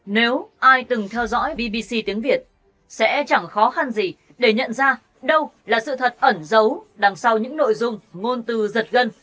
nếu ai từng theo dõi bbc tiếng việt sẽ chẳng khó khăn gì để nhận ra đâu là sự thật ẩn giấu đằng sau những nội dung ngôn từ giật gân